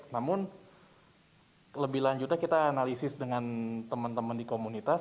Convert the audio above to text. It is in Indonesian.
namun lebih lanjutnya kita analisis dengan teman teman di komunitas